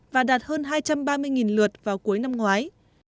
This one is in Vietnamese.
và đạt hơn hai trăm ba mươi lượt vào cuộc đời